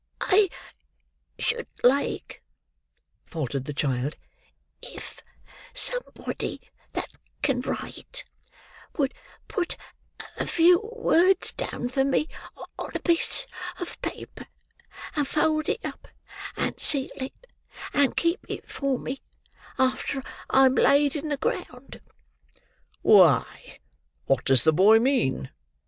"I should like," faltered the child, "if somebody that can write, would put a few words down for me on a piece of paper, and fold it up and seal it, and keep it for me, after I am laid in the ground." "Why, what does the boy mean?"